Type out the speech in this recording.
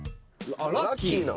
ラッキーなん？